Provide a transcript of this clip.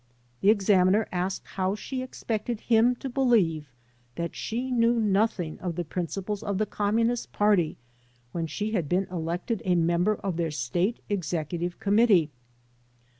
The examiner asked how she expected him to believe that she knew nothing of the principles of the Com munist Party when she had been elected a member of their State Executive Committee.